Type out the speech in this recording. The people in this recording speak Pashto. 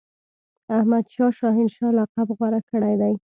احمدشاه شاه هنشاه لقب غوره کړی دی.